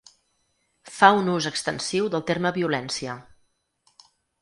Fa un ús extensiu del terme violència.